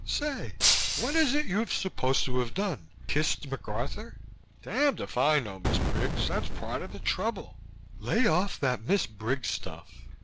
Say, what is it you've supposed to have done kissed MacArthur?" "Damned if I know, Miss Briggs. That's part of the trouble." "Lay off that 'Miss Briggs' stuff.